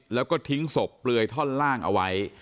แล้วก็ทิ้งศพเปลือยท่อนล่างเอาไว้